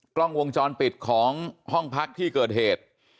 กล้องวงจรปิดของห้องพักที่เกิดเหตุ